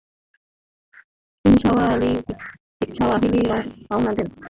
তিনি সাওয়াহি’লি রওনা দেন।